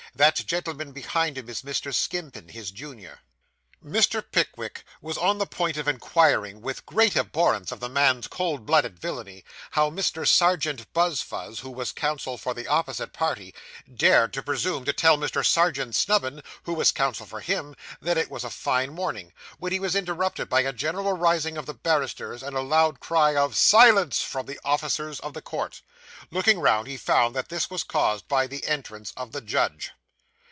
That gentleman behind him is Mr. Skimpin, his junior.' Mr. Pickwick was on the point of inquiring, with great abhorrence of the man's cold blooded villainy, how Mr. Serjeant Buzfuz, who was counsel for the opposite party, dared to presume to tell Mr. Serjeant Snubbin, who was counsel for him, that it was a fine morning, when he was interrupted by a general rising of the barristers, and a loud cry of 'Silence!' from the officers of the court. Looking round, he found that this was caused by the entrance of the judge.